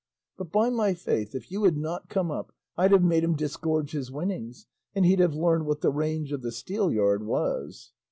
But by my faith if you had not come up I'd have made him disgorge his winnings, and he'd have learned what the range of the steel yard was."